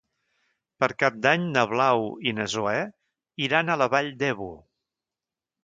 Per Cap d'Any na Blau i na Zoè iran a la Vall d'Ebo.